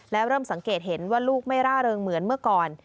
แล้วเริ่มสังเกตเห็นว่าลูกไม่ร่าเริงเหมือนเมื่อก่อน